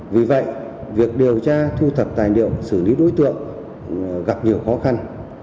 vì vậy việc điều tra thu thập tài liệu xử lý đối tượng gặp nhiều khó khăn